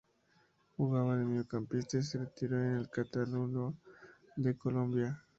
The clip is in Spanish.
Jugaba de mediocampista y se retiró en el Cortuluá de Colombia.